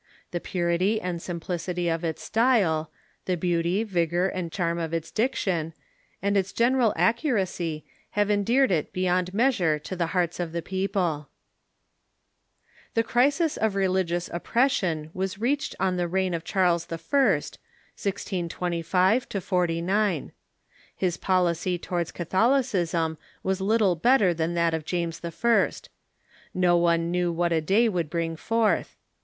The purity and sim plicity of its style, the beauty, vigor, and charm of its diction, and its general accuracy, have endeared it beyond measure to the hearts of the people. The crisis of religious oppression was reached in the reign of Charles I. (1625 49). His policy towards Catholicism Avas little better than that of James I. No one t?e^R'e'voiufiJn ''"^^^^^'''^^^ ^^y ^ould l)ring forth.